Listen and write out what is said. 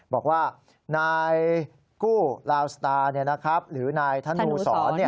บอกว่านายกู้ลาวสตาร์หรือนายธนูสอน